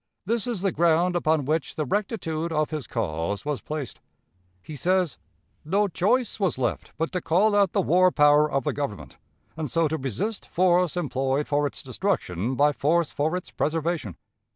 This is the ground upon which the rectitude of his cause was placed. He says, "No choice was left but to call out the war power of the Government, and so to resist force employed for its destruction by force for its preservation."